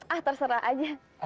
ah terserah aja